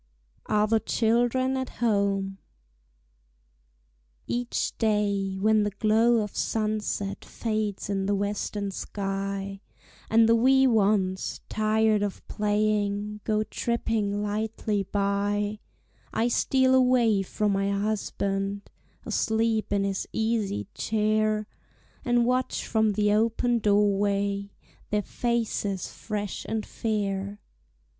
ARE THE CHILDREN AT HOME? Each day, when the glow of sunset Fades in the western sky, And the wee ones, tired of playing, Go tripping lightly by, I steal away from my husband, Asleep in his easy chair, And watch from the open door way Their faces fresh and fair.